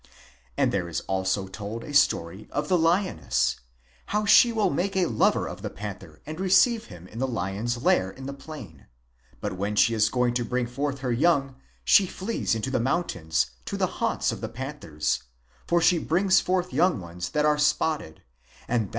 And there is also told a story of the lioness, how she will make a lover of the panther and receive him in the lion's lair in the plain ; but when she is going to bring forth her young she flees into the mountains to the haunts of the panthers; for she brings forth young ones that are spotted, and that.